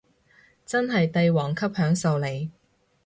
真係帝王級享受嚟